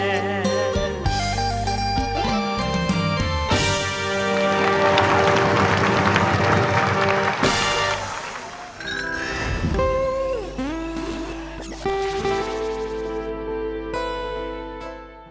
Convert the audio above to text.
โปรดติดตามตอนต่อไป